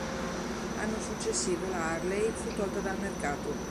L'anno successivo la "Harley" fu tolta dal mercato.